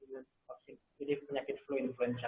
jadi penyakit flu influenza